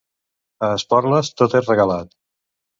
A Esporles tot és regalat.